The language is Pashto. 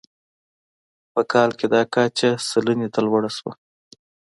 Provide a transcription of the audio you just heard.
په کال کې دا کچه سلنې ته لوړه شوه.